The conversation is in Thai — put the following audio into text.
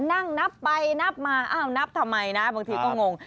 นั่งนับไปนับมาอ้าวนับทำไมนะบางทีก็งง